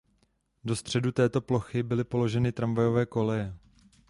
Do středu této plochy byly přeloženy tramvajové koleje.